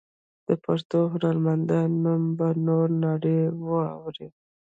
د پښتو هنرمندانو نوم به نوره نړۍ واوري.